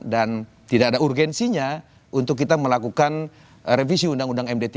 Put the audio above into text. dan tidak ada urgensinya untuk kita melakukan revisi undang undang md tiga